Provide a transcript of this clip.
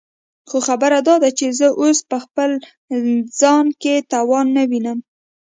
خو خبره داده چې زه اوس په خپل ځان کې توان نه وينم.